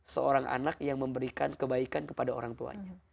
seorang anak yang memberikan kebaikan kepada orang tuanya